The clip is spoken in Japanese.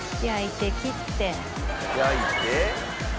焼いて。